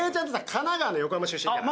神奈川の横浜出身じゃん。